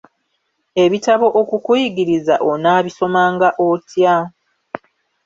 Ebitabo okukuyigiriza onaabisomanga otya?